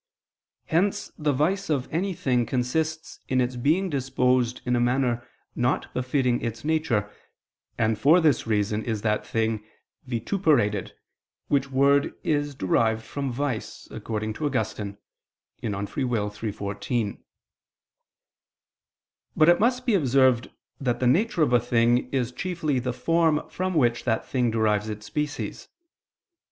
Hence the vice of any thing consists in its being disposed in a manner not befitting its nature, and for this reason is that thing "vituperated," which word is derived from "vice" according to Augustine (De Lib. Arb. iii, 14). But it must be observed that the nature of a thing is chiefly the form from which that thing derives its species.